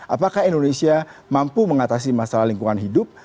apakah indonesia mampu mengatasi masalah lingkungan hidup